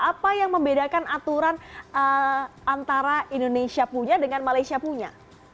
apa yang membedakan aturan antara indonesia punya dengan malaysia punya